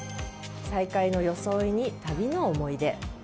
再会の装いに旅の思い出。